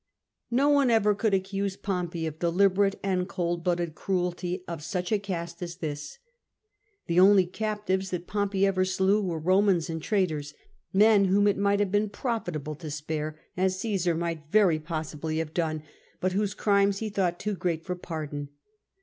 Ho one ever could accuse Pompey of deliberate and cold blooded cruelty of such a cast as this. The only captives that Pompey ever slew were Romans and traitors, men whom it might have been profitable to spare, as Caesar might very possibly have done, but whose crimes he thought too great for pardon.